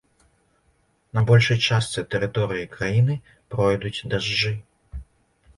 На большай частцы тэрыторыі краіны пройдуць дажджы.